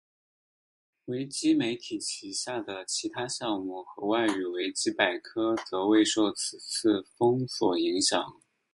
维基媒体旗下的其他项目和外语维基百科则未受此次封锁影响。